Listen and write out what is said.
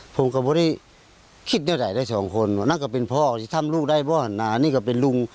ผมก็ไม่ได้คิดเท่าไหร่ได้สองคนว่านั่นก็เป็นพ่อที่ทำลูกได้บ่อน้านี่ก็เป็นลุง